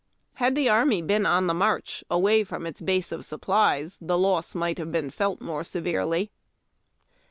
Had the army been on the march, away from its base of supplies, the loss might have been felt more severely.